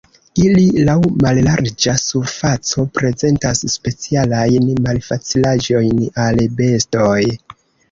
Iri laŭ mallarĝa surfaco prezentas specialajn malfacilaĵojn al bestoj.